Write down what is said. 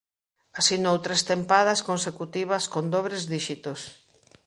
Asinou tres tempadas consecutivas con dobres díxitos.